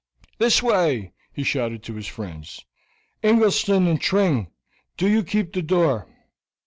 "This way," he shouted to his friends. "Ingleston and Tring, do you keep the door."